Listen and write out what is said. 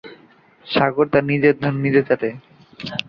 Jhikargachha railway station Darshana জংশন-খুলনা লাইনের যশোর-বেনাপোল অংশে অবস্থিত।